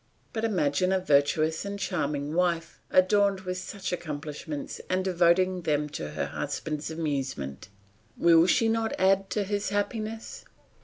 But imagine a virtuous and charming wife, adorned with such accomplishments and devoting them to her husband's amusement; will she not add to his happiness?